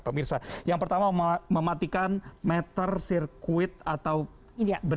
pemirsa yang pertama mematikan meter sirkuit atau ber